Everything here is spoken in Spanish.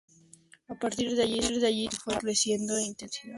A partir de allí su trabajo fue creciendo en intensidad y en amplitud.